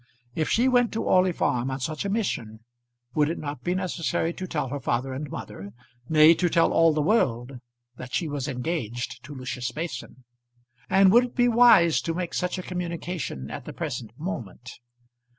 If she went to Orley Farm on such a mission would it not be necessary to tell her father and mother, nay, to tell all the world that she was engaged to Lucius Mason; and would it be wise to make such a communication at the present moment?